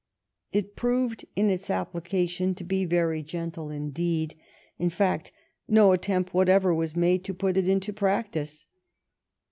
It proved in its application to be very gentle indeed. In fact, no attempt whatever was made to put it into practice.